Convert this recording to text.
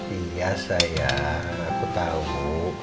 iya sayang aku tahu